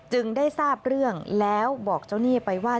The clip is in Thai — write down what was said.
ได้ทราบเรื่องแล้วบอกเจ้าหนี้ไปว่า